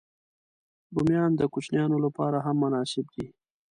رومیان د کوچنيانو لپاره هم مناسب دي